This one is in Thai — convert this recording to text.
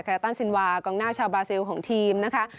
ตันซินวากองหน้าชาวบราซิลของทีมนะคะ